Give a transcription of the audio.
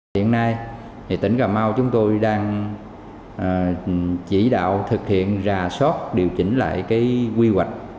hiện nay tỉnh cà mau chúng tôi đang chỉ đạo thực hiện rà soát điều chỉnh lại quy hoạch